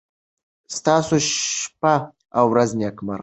ستاسو شپه او ورځ نېکمرغه.